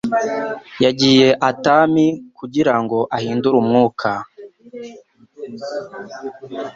Yagiye Atami kugirango ahindure umwuka.